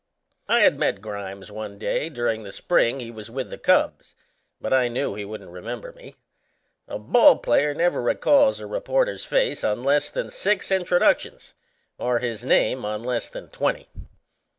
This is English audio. I had met Grimes one day during the spring he was with the Cubs, but I knew he wouldn't remember me. A ball player never recalls a reporter's face on less than six introductions or his name on less than twenty.